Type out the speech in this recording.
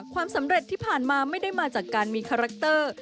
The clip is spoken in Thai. ความสำเร็จที่ผ่านมาไม่ได้มาจากการมีคาแรคเตอร์